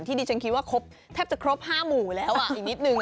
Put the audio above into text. ที่ดีฉันคิดว่าเขาครอบ๕หมูอะไรอย่างนิดหนึ่ง